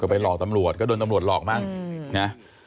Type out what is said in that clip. ก็ไปหลอกตำรวจก็โดนตำรวจหลอกบ้าง